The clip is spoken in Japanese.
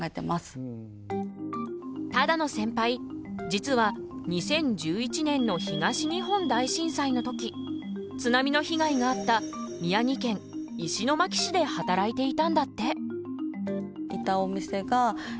実は２０１１年の東日本大震災の時津波の被害があった宮城県石巻市で働いていたんだって。